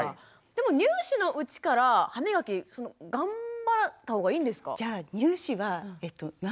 でも乳歯のうちから歯みがき頑張ったほうがいいんですか？